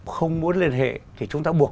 không muốn liên hệ thì chúng ta buộc